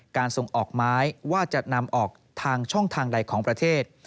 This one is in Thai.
การส่งออกไม้ว่าจะนำออกทางช่องทางใดของประเทศ